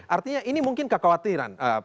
artinya ini mungkin kekhawatiran